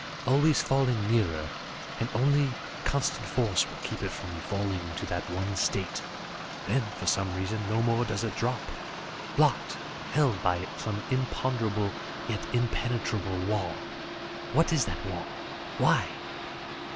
Always falling nearer, and only constant force will keep it from falling to that one state then, for some reason no more does it drop. Blocked held by some imponderable, yet impenetrable wall. What is that wall why?